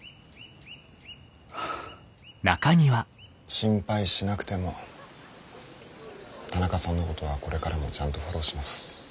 心配しなくても田中さんのことはこれからもちゃんとフォローします。